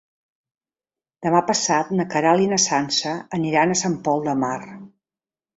Demà passat na Queralt i na Sança aniran a Sant Pol de Mar.